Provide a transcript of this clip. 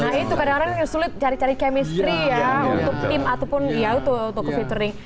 nah itu kadang kadang sulit cari cari chemistry ya untuk tim ataupun ya untuk fittering